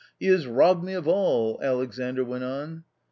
" He has robbed me of all," Alexandr went on.